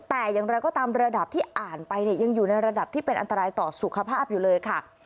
แต่อย่างไรก็ตามระดับที่อ่านไปเนี่ยยังอยู่ในระดับที่เป็นอันตรายต่อสุขภาพอยู่เลยค่ะ